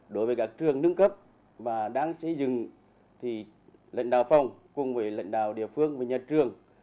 đối với các trường nâng cấp mà đang xây dựng thì lãnh đạo phòng cùng với lãnh đạo địa phương và nhà trường